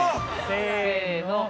せの。